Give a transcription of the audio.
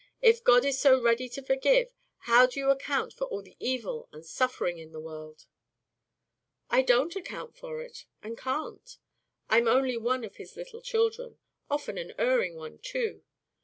If God is so ready to forgive, how do you account for all the evil and suffering in the world?" "I don't account for it and can't. I'm only one of his little children; often an erring one, too.